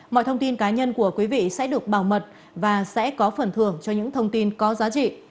mọi thông tin cá nhân của quý vị sẽ được bảo mật và sẽ có phần thưởng cho những thông tin có giá trị